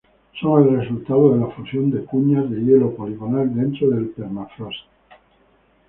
Son el resultado de la fusión de cuñas de hielo poligonal dentro del permafrost.